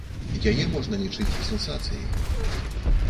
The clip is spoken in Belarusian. Яе можна лічыць сенсацыяй.